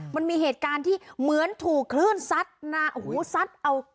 มันมีเหตุการณ์ที่เหมือนถูกคลื่นซัด